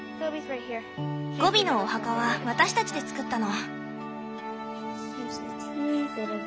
ゴビのお墓は私たちで作ったの。